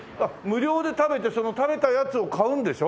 無料で食べてその食べたやつを買うんでしょ？